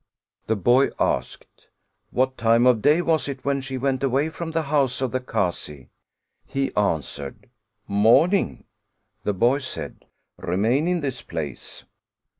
The boy asked: "What time of day was it when she went away from the house of the Kazi?" He answered: '* Morning." The boy said: *' Remain in this place."